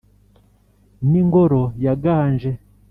N’ingoro yaganje